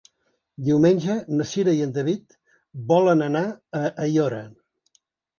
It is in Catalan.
Diumenge na Cira i en David volen anar a Aiora.